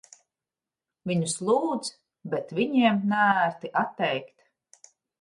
Viņus lūdz, bet viņiem neērti atteikt.